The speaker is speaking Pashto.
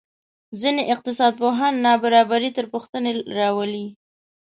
ځینې اقتصادپوهان نابرابري تر پوښتنې راولي.